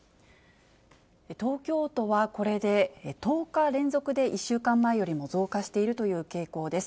東京都はこれで、１０日連続で１週間前よりも増加しているという傾向です。